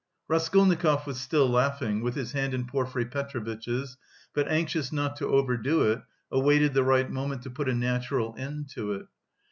Raskolnikov was still laughing, with his hand in Porfiry Petrovitch's, but anxious not to overdo it, awaited the right moment to put a natural end to it.